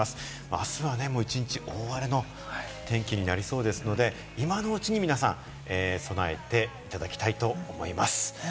あすは一日大荒れの天気になりそうですので、今のうちに皆さん、備えていただきたいと思います。